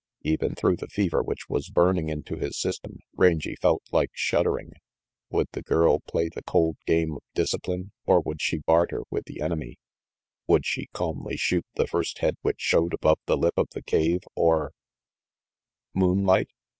Even through the fever which was burning into his system, Rangy felt like shuddering. Would the girl play the cold game of discipline, or would she barter with the enemy? Would she calmly shoot the first head which showed above the lip of the cave, or Moonlight?